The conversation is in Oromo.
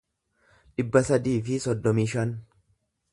dhibba sadii fi soddomii shan